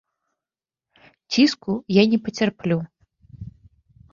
Ціску я не пацярплю.